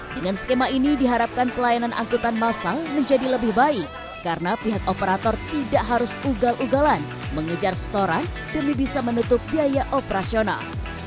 dengan skema ini diharapkan pelayanan angkutan masal menjadi lebih baik karena pihak operator tidak harus ugal ugalan mengejar setoran demi bisa menutup biaya operasional